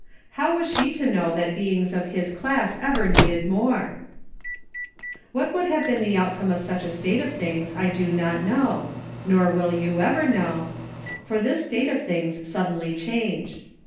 How was she to know that beings of his class ever needed more ? What would have been the outcome of such a state of things I do not know, nor will you ever know, for this state of things suddenly changed.